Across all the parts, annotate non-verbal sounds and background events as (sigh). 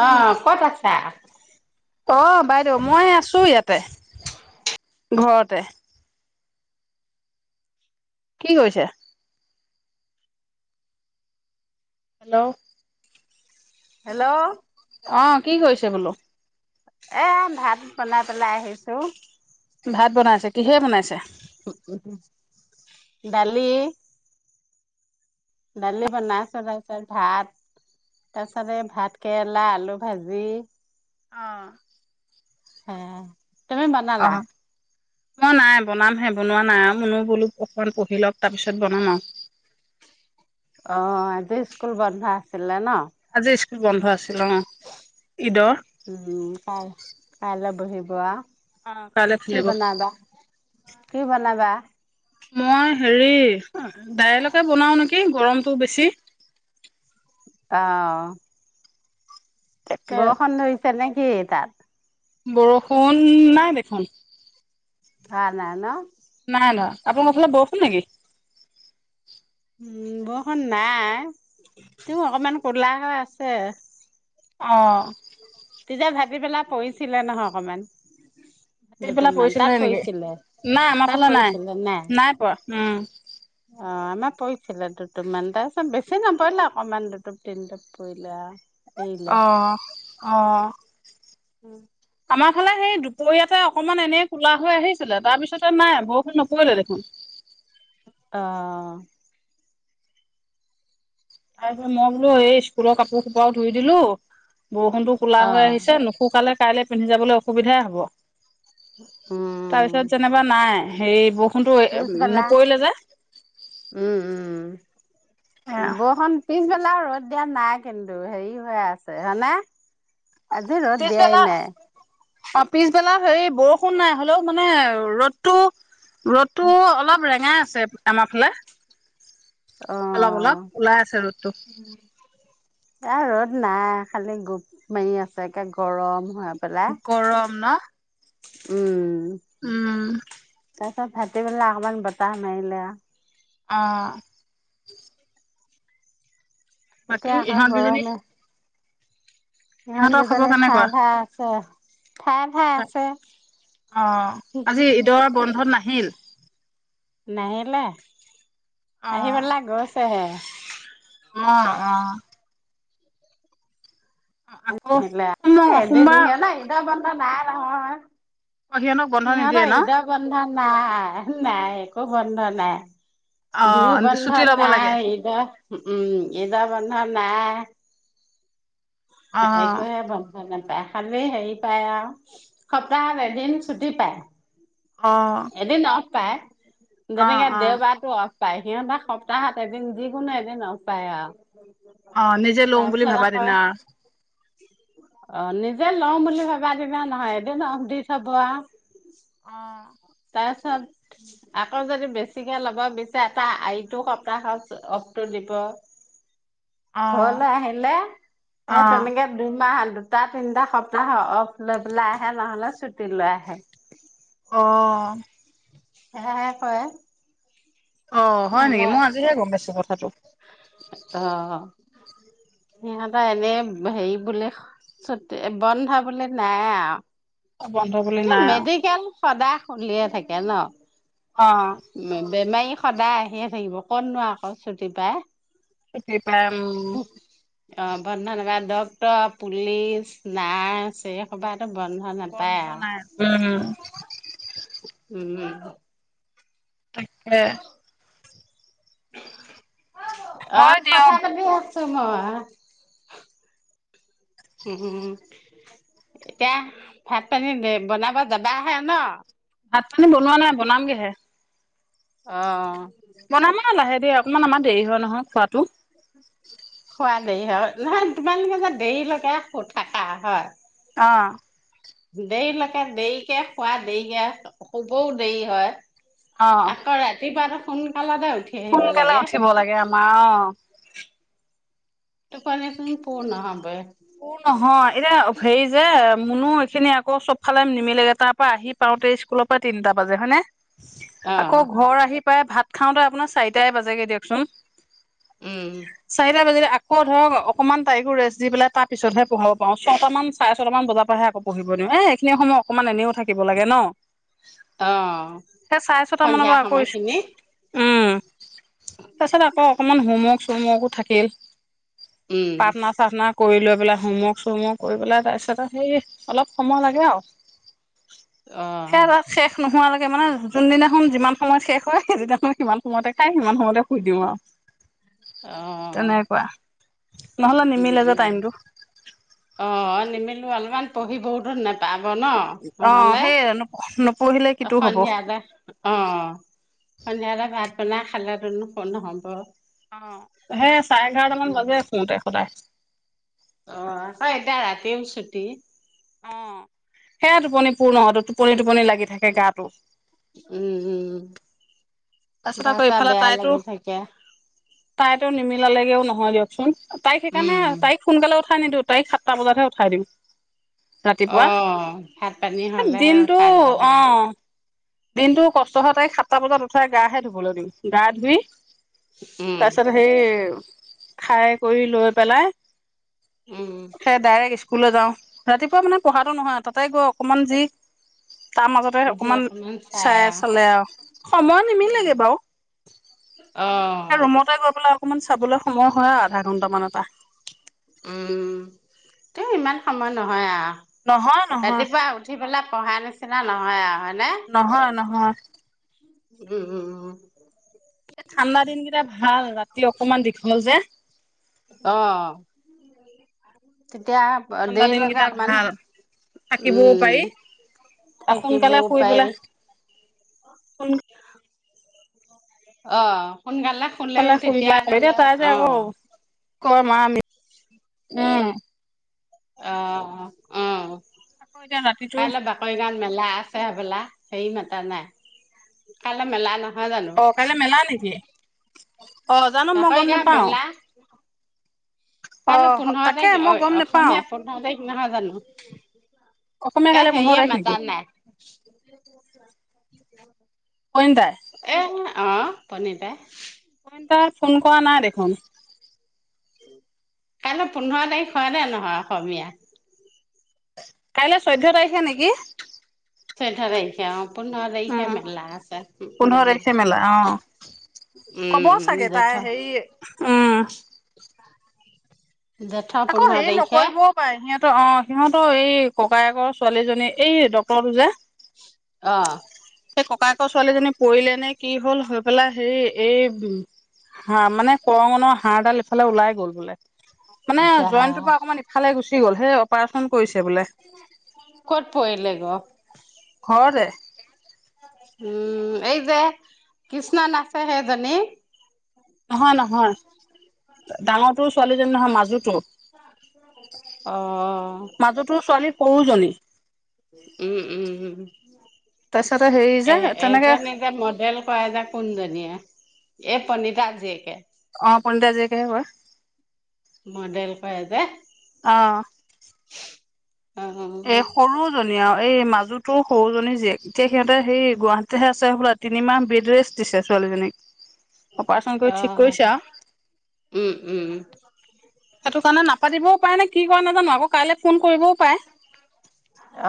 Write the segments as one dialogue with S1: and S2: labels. S1: আহ ক'ত আছা?
S2: অ বাইদেউ মই আছো ইয়াত। ঘৰতে। কি কৰিছে? হেল্ল'।
S1: হেল্ল'
S2: অ কি কৈছো (unintelligible)
S1: আহ ভাত বনাই পেলাই আহিছোঁ হেল্ল।
S2: ভাত বনাইছে কিহে বনাইছে।
S1: দালি। দালি বনাইছো তাৰপিছত ভাত তাৰপিছতে এই ভাত কেৰেলা, আলু ভাজি।
S2: অঁ।
S1: সেয়াই তুমি বনালা।
S2: মই নাই, বনামহে বনোৱা নাই আৰু মনো বোলো অকমান পঢ়ি লওক তাৰপিছত বনাম আৰু।
S1: অ আজি স্কুল বন্ধ আছিলে ন?
S2: আজি বন্ধ আছে।
S1: উম কা- কাইলৈ (unintelligible)
S2: অ কাইলৈ
S1: কি
S2: খুলিব
S1: বনাবা কি বনাবা
S2: মই, হেৰি অহ দাইলকে বনাও নেকি কি গৰমটো বেছি
S1: অ
S2: তাকে
S1: বৰখুন ধৰিছে নে সি তাত
S2: বৰষুণ, নাই দেখোন
S1: কাক নাই ন
S2: আপোনা লোকফালে বৰষুণ নেকি
S1: উম, বৰষুণ নাই তেওঁ অকমান ক'লা হয় আছে
S2: অ
S1: যেন ভাৱি পেলাই পৰিছিলে নহয় অকমান
S2: সেইফালে
S1: দুটুপমান তাত
S2: পৰিছিলেহি নেকি?
S1: পৰিছিলে
S2: নাই আমাৰ
S1: তাত
S2: ফালে নাই,
S1: পৰিছিলে
S2: নাই পআ। উম
S1: অ আমাৰ পৰিছিলে দুটুপ মান তাৰপিছত বেছি নপৰিলে অকমান দুটুপ তিনিটুপ পৰিলে আউ
S2: অঅ, অঅ আমাৰ সিফালে সেই দুপৰীয়াতে অকনমান এনেই কুলা হৈ আহিছিলে তাৰপিছতে নাই বৰষুণ নপৰিলে দেখোন
S1: অঅঅ
S2: তাৰ পিছত মই বোলো এই স্কুলৰ কাপোৰ সোপাও ধুই দিলো বৰষুণতো কোলা
S1: অ
S2: হৈ আহিছে নুশুকালে কাইলৈ পিন্ধি যাবলৈ অসুবিধাই হ'ব
S1: উম
S2: তাৰপিছত যেনেবা নাই সেই বো
S1: পিছবেলা উম
S2: এ
S1: উম বখন পি পিছ পেলা ৰ'দ দিয়া নাই কিন্তু হেৰি হৈ আছে হয়নে? আজি ৰদ দিয়াই
S2: পিছবেলা
S1: নাই
S2: অ পিছবেলা হেৰি বৰষুণ নাই, হ'লেও মানে ৰ'দটো ৰ'দটো অলপ ৰেঙা আমাৰফালে
S1: অ
S2: অলপ অলপ, ওলাই আছে ৰ'দটো
S1: আজি গোপ মাৰি আছে, একে গৰম। হৈ পেলাই
S2: গৰম ন
S1: উম
S2: উম
S1: তাৰ তাত ভাটিবেলা আকমমান বতাহ মাৰিলে আ
S2: অ' বাকী
S1: এতিয়া আকৌ
S2: ইহতগীজনী
S1: সিহঁত কেইজনী ঠায়ে ঠায়ে আছে ঠায়ে ঠায়ে
S2: হয়
S1: আছে
S2: অ আজি ঈদৰ বন্ধত নাই? (inaudible)
S1: নাহিলে
S2: অ
S1: আহি পেলাই গৈ (unintelligible)
S2: অ' অ' আকৌ
S1: (unintelligible)
S2: সোম সোমবাৰ
S1: ঈদৰ বন্ধ নাই (inaudible)
S2: অ সিহঁতক বন্ধ নিদিয়ে
S1: সিহঁতৰ
S2: ন'
S1: ঈদৰ বন্ধ নাই নাই একো বন্ধ নাই।
S2: অ
S1: বিহু বন্ধ
S2: ছুটি লব লাগে
S1: নাই ঈদৰ উম ঈদৰ বন্ধ নাই
S2: অ
S1: একোৱহে বন (unintelligible) নাপায় খালি হেৰি পায় আও সপ্তাহত এদিন চুটি পায়
S2: অ
S1: এদিনত পায়।
S2: অ
S1: যেনেকে
S2: অ
S1: দেওবাৰটো আও পায় সিহঁতে সপ্তাহত এদিন যিকোনো এদিন অ'ফ পায় আও
S2: অ নিজে লওঁ বুলি
S1: তাৰপিছত
S2: ভাবা
S1: আকৌ,
S2: দিনা আৰু।
S1: অ' নিজে লও বুলি (unintelligible) নহয় এদিন অ'ফ দি চাব আ
S2: অ
S1: তাপিছত আকৌ যদি বেছিকে লব বিচাৰে তাৰ ইতো সপ্তাহত অ'ফটো দিব
S2: অ
S1: ঘৰলৈ আহিলে
S2: অ
S1: সেই তেনেকে দুইমাহ--‌ দুটা তিনিটা সপ্তাহ অ'ফ লৈ পেলাই আহে ন'হলে ছুটি লৈ আহে
S2: অ'
S1: সেয়াহে কয়
S2: অ' হয়
S1: সিহঁতে
S2: নেকি মই আজিহে গম পাইছো কথাটো
S1: অ সিহঁতৰ এনেই হেৰি বুলি চুটি বন্ধা বুলি নাই আও
S2: বন্ধ বুলি নাই
S1: এ
S2: আৰু।
S1: মেডিকেল সদায় খুলিয়ে থাকে। এন
S2: অ
S1: বেমাৰী সদায় আহিয়ে থাকিব কতনো আকৌ ছুটি পাই।
S2: ছুটি পাই উম
S1: উহঃ অ বন্ধ (unintelligible) ডক্ত, পুলিচ, নাৰ্চ এই সোপা
S2: বন্ধ নাই উম।
S1: (unintelligible)
S2: তাকে হয়
S1: অ'
S2: দিয়ক
S1: কথা পাতি আছো সেই টো হয়। উম, উম এতিয়া ভাত পানী বনাব যাবাহে ন?
S2: ভাত পানী বনোৱা নাই বনাম গেহে।
S1: অ'
S2: মোনা মোনা লৈ আহে দেঅক। অকণমান আমাৰ দেৰি হয় নহয় খোৱাতটো।
S1: খোৱা দেৰি হয় নহয় তোমালোকে যে দেৰি লৈকে শুই থাকা হয়?
S2: অ'।
S1: দেৰিলৈকে দেৰিকে খোৱা দেৰিকে শুবও দেৰি হয়।
S2: অ
S1: আকৌ ৰাতিপোৱা টো সোনকালে দে।
S2: সোনকালে উঠিব লাগে আমাৰ অ।
S1: টোপনি চোন পুৰ ন'হবয়ে।
S2: উ নহয় এতিয়া হেৰি যে মুনো এইখিনি আকৌ চব ফালে নিমিলে তাৰ পৰা আহি পাওঁতে স্কুলৰ পৰা তিনিটা বাজে হয় নে?
S1: অ
S2: আকৌ ঘৰ আহি প্ৰায়, ভাত খাওঁতে আপোনাৰ চাৰিটাই বাজেগে দিয়কচোন।
S1: উম
S2: চাৰিটা বাজিলে আক কৌ ধৰক অকনমান তাইকো ৰেষ্ট দি পেলাই তাত পিছতহে পঢ়াব পাৰো ছটামান চাৰে ছটামান বজাৰ পৰাহে আকৌ পঢ়িব দিওঁ। এ এইখিনি সময় অকণমান এনেও থাকিব লাগে ন।
S1: অ
S2: সেই চাৰে ছটামানৰ
S1: সন্ধিয়া
S2: পৰা আকৌ ছ
S1: সময়খিনি
S2: উম তাৰপাছত আকৌ অকমান হোমৱৰ্ক চোমৱৰ্কো থাকে।
S1: উম
S2: প্ৰাৰ্থনা চাৰ্থনা কৰিলক এই বিলাক হোমৱৰ্ক চোমৱৰ্ক কৰি পেলাই তাৰপিছত আ সেই অলপ সময় লাগে আৰু
S1: অ
S2: সেইয়া শেষ নোহোৱালৈকে মানে যোনদিনাখন যিমান সময়ত শেষ হয় সেইদিনাখন সিমান সময়তে খায় সিমান সময়তে সু দিও
S1: অ
S2: আৰু তেনেকুৱা নহলে
S1: উম
S2: নিমিলে যে
S1: উম
S2: টাইমটো।
S1: অ নিমিলো অলমান পঢ়িবওতো নেপ পাব ন
S2: অ
S1: নহ'লে
S2: সেই নপঢ়িলে কিটো হ'ব অ
S1: সন্ধিয়াতে অ সন্ধিয়াতে ভাত। নাখালেটোন কতনো হ'ব
S2: অ সেই চাৰে এঘাৰটামান বাজে শুওঁতে সদায়
S1: অ হয় এতিয়া ৰাতিও ছুটি
S2: অ সেয়া টোপনি পূৰ্ণহয়তো টোপনি টোপনি লাগি থাকে গাটো
S1: উম উম
S2: তাৰপিছত
S1: গা
S2: আকৌ
S1: চা
S2: ইফালে
S1: বেয়া
S2: তাইতো
S1: লাগি থাকে
S2: তাইতো নিমিলালেগেও নহয় দিয়কচোন তাইক সেইকাৰণে
S1: উম
S2: তাইক সোনকালে উঠাই নিদিওঁ তাইক সাতটা বজাতহে উঠাই দিম
S1: আহ ভাত পানী হলেহে
S2: দিনটো
S1: উঠাই দিব
S2: অ
S1: লাগে
S2: দিনটো কষ্ট হয় তাই সাতটা বজাত উঠ তাইক গা হে ধুবলৈ দিম গা ধুই
S1: উম,
S2: তাৰপিছত সেই খাই কৰি লৈ পেলাই।
S1: উম
S2: স্কুলত যাওঁ। ৰাতিপুৱা মানে পঢ়াতো নহয় তাতে গৈ অকণমান যি তাৰ মাজতে অকমান চাই চালে আৰু সময় নিমিলেগৈ বাৰু
S1: অ'।
S2: ৰুমতে গৈ পেলাই অকমান। চাবলৈ সময় হয় আধা ঘণ্টামান
S1: উম তেও ইমান সময় নহয় আৰ
S2: নহয় নহয়
S1: পঢ়া নিচিনা নহয় আৰ
S2: নহয় নহয় হয়।
S1: উম, উম, উম।
S2: এই ঠাণ্ডা দিনকেইটা ভাল ৰাতি অকনমান দীঘল যে
S1: অ' এতিয়া
S2: ঠাণ্ডা
S1: দেৰিলৈকে
S2: দিনকেইটা
S1: অকণমান
S2: ভাল থাকিবও পাৰি
S1: থাকিবও পাৰি।
S2: উম
S1: অ' সোনকালে শুলেও তেতিয়া
S2: শুইবা
S1: ধৰি
S2: এতিয়া
S1: ল
S2: তাই যে
S1: অ
S2: আকৌ (inaudible)
S1: অ', অ।
S2: আকৌ এতিয়া ৰাতিটো
S1: কাইলৈ বাকৰি গাঁৱত মেলা আছে হবলা? হেই মাতা নাই, কাইলৈ মেলা ন
S2: অ', কাইলৈ মেলা নেকি? অ', জানো মই গম
S1: জাকৈগাঁও
S2: নোপাওঁ।
S1: মেলা কাইলৈ পোন্ধৰ তাৰিখ, অ অসমীয়া পোন্ধৰ তাৰিখ নহয় জানো?
S2: অসমীয়া
S1: এয়া
S2: কাইলৈ পোন্ধৰ
S1: হেইয়ে
S2: তাৰিখ নেকি
S1: মাতা নাই? (inaudible)
S2: পনীতাই?
S1: এ অ', পনিতাই।
S2: তাই ফোন কৰা নাই দেখোন।
S1: কাইলৈ পোন্ধৰ তাৰিখ হয় নে নহয় অসমীয়া?
S2: কাইলৈ চৈধ্য তাৰিখ হে নেকি?
S1: চৈধ্য তাৰিখ হে অ। পোন্ধৰ
S2: উম
S1: তাৰিখে মেলা আছে,
S2: পোন্ধৰ
S1: উম।
S2: তাৰিখে মেলা অ কব
S1: উম,
S2: চাগে তাই
S1: জেঠৰ
S2: হেৰি (inaudible)
S1: জেঠ
S2: আকৌ
S1: পোন্ধৰ
S2: হেৰি
S1: তাৰিখে
S2: নকৰিবও পাৰে সিহঁত অ', সিহঁতৰ এই ককায়েকৰ ছোৱালীজনী, এই ডক্তৰটো যে
S1: অ
S2: সেই ককায়েকৰ ছোৱালীজনী পৰিলে নে কি হ'ল হৈ পেলাই হেৰি, এই হা মানে কৰঙণৰ হাড়ডাল এইফালে ওলাই গ'ল বোলে। মানে
S1: যাহা
S2: জইনটোৰ পা অকমান ইফালে গুছি গল, সেই অপাৰেচন কৰিছে বোলে
S1: ক'ত পৰিলে গৌ?
S2: ঘৰতে।
S1: উম, এই যে কৃষ্ণ নাচে সেইজনী
S2: নহয়- নহয়, ডাঙৰটোৰ ছোৱালীজনী নহয়, মাজুটোৰ
S1: অ'হ।
S2: মাজুটোৰ ছোৱালী সৰুজনী।
S1: উম্‌ উম্‌-
S2: তাৰপিছতে হেৰি যে
S1: এ'
S2: তেনেকে
S1: এজনে যে মডেল কৰে যে কোনজনীয়ে? এই পণিতা জীয়েকে
S2: অ' পণীতা জীয়েকেহে কৰে।
S1: মডেল কয়ে যে
S2: অ'-
S1: অ',
S2: এ' সৰুজনীয়ে অ'হ' এই মাজু তোৰ সৰুজনী জীয়েক। এতিয়া সিহঁতে সেই গুৱাহাটীতেহে আছে হ'বলা। তিনিমাহ বেড ৰেষ্ট দিছে ছোৱালীজনীক। অপাৰেচন কৰি ঠিক
S1: আ'-
S2: কৰিছে আৰু
S1: উম্‌ উম্‌
S2: সেইটো কাৰণে নাপাতিবও পাৰে নে কি কৰে নাজানোঁ। আকৌ কাইলে ফোন কৰিবও পাৰে!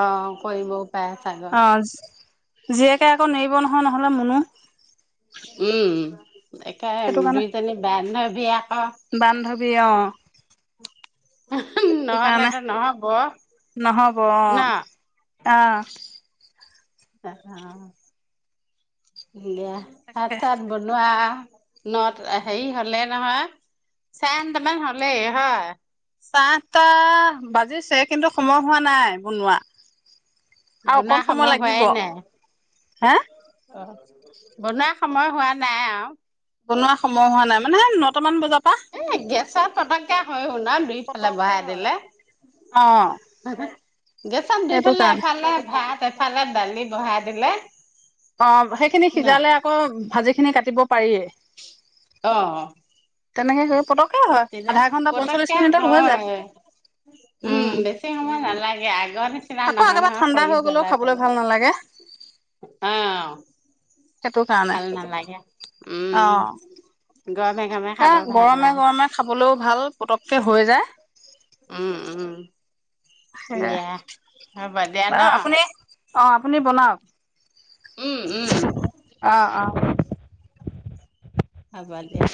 S1: অ' কৰিবও। পাৰে চাগৈ
S2: অ'- জীয়েকে আকৌ নেৰিব নহয়! নহ'লে মুনু
S1: উম, একে
S2: সেইটো কাৰণে
S1: -দুইজনী বান্ধবী আক'।
S2: বিয়া। সেইটো
S1: নহ'লেতো
S2: কাৰণে-
S1: নহ'ব
S2: নহ'ব।
S1: ন?
S2: অ'হ।
S1: পেহা- এয়া ভাত
S2: তাকে
S1: চাত বনোৱা- নট- হেই হ'লেই নহয়। চাৰে আঠটামান হ'লেই হয়?
S2: চায়ে আঠটা বাজিছে, কিন্তু সময় হোৱা নাই বনোৱা।
S1: বনোৱা সময় হোৱায়ে নাই।
S2: হা?
S1: বনোৱা সময় হোৱা নাই আও।
S2: বনোৱা সময় হোৱা নাই, মানে নটামান বজাত।
S1: এ' গেছত পতক্‌কে হৈ শুনক দুইফালে
S2: পতককে
S1: বহাই
S2: হয়
S1: দিলে।
S2: অ
S1: গেছত
S2: সেইটো
S1: দুইফালে
S2: কাৰণে
S1: এফালে ভাত, এফালে দালি বহাই দিলে
S2: অ'- সেইখিনি
S1: ন
S2: সিজালে আকৌ ভাজি খিনি কাট তিব পাৰিয়ে।
S1: অ'-
S2: তেনেকে কৰি পতক্‌কে হয়,
S1: তেতিয়া
S2: আধা ঘন্টা, পঞ্চল্লিশ
S1: পতককে
S2: মিনিটত হৈ যায়।
S1: হয় উম
S2: উম্‌।
S1: বেছি সময় নালাগে আগৰ নিচিনা
S2: আকৌ
S1: নহয়
S2: একেবাৰে
S1: নহয়
S2: ঠাণ্ডা
S1: খৰি
S2: হৈ গ'লেও
S1: জ্বলাই
S2: খাবলৈ
S1: জ্বলাই
S2: ভাল নালাগে।
S1: অ'
S2: সেইটো কাৰণে
S1: ভাল নালাগে।
S2: অ
S1: উম্‌-গৰমে গমে
S2: এ' গৰমে গৰমে খাব লেও ভাল। পতক্‌কে হৈ যায়।
S1: উম্‌ উম্‌-
S2: সেয়াই
S1: দিয়া, হব দিয়া ন?
S2: বাৰু আপুনি অ', আপুনি বনাওক।
S1: উম উম
S2: অ'- অ।
S1: হব দিয়া।